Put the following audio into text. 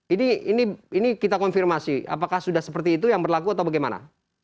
ini kita konfirmasi apakah sudah seperti itu yang berlaku atau bagaimana